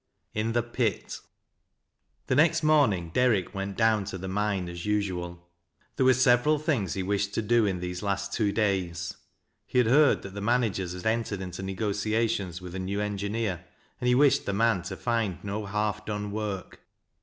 m THE PIT. Tei nex'u morning Derrick went down tc the ndne si nanal. The' e were several things he wished to do in these last two days. He had heard that the managers had entered into negotiations with a new engineer, and he wished the man to find no half done work.